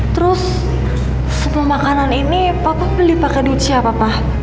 terus sebelum makanan ini papa beli pakai duit siapa pak